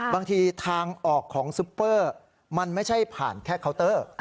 บางทีทางออกของซุปเปอร์มันไม่ใช่ผ่านแค่เคาน์เตอร์